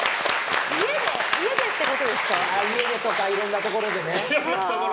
家でとか、いろんなところでね。